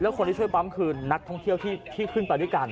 คนที่ช่วยปั๊มคือนักท่องเที่ยวที่ขึ้นไปด้วยกัน